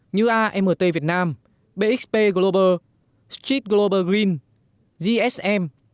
như amt việt nam bxp global streat global green gsm